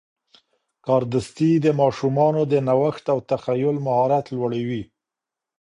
کاردستي د ماشومانو د نوښت او تخیل مهارت لوړوي.